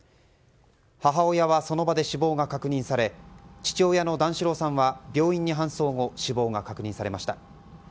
母親はその場で死亡が確認され父親の段四郎さんは病院に搬送後死亡が確認されました。